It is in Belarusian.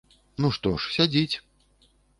Ну што ж, сядзіць!